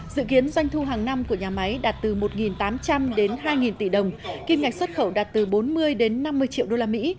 dự kiến doanh thu hàng năm của nhà máy đạt từ một tám trăm linh đến hai tỷ đồng kim ngạch xuất khẩu đạt từ bốn mươi đến năm mươi triệu đô la mỹ